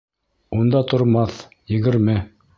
Унда тормаҫ, егерме!